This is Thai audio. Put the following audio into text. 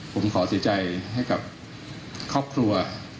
ผมขอเสียใจให้กับครอบครัว